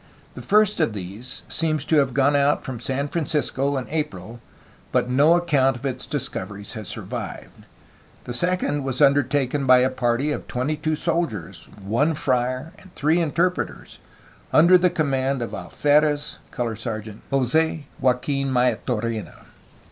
The first of these seems to have gone out from San Francisco in April, but no account of its discoveries has survived. The second was undertaken by a party of twenty two soldiers, one friar, and three interpreters, under the command of Alferez (Color Sergeant) Jos6 Joaqufn Maitorena.